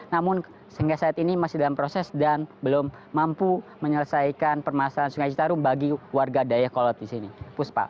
namun sehingga saat ini masih dalam proses dan belum mampu menyelesaikan permasalahan sungai citarum bagi warga dayakolot di sini puspa